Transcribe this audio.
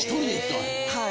はい。